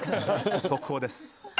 速報です。